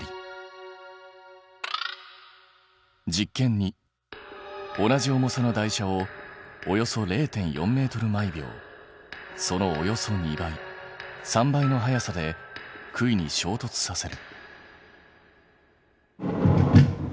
実験２同じ重さの台車をおよそ０．４メートル毎秒そのおよそ２倍３倍の速さで杭にしょうとつさせる。